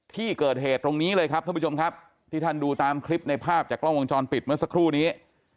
ที่เกิดเหตุตรงนี้เลยครับท่านผู้ชมครับที่ท่านดูตามคลิปในภาพจากกล้องวงจรปิดเมื่อสักครู่นี้